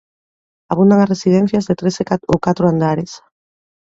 Abundan as residencias de tres ou catro andares.